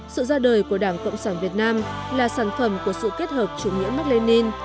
sự ra đời của đảng cộng sản việt nam là sản phẩm của sự kết hợp chủ nghĩa mạc lê ninh